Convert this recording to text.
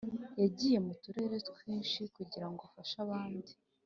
Yagiye mu turere twinshi kugira ngo afashe abandi